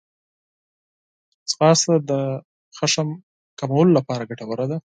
ځغاسته د قهر کمولو لپاره ګټوره ده